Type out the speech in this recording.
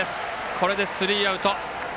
これでスリーアウト。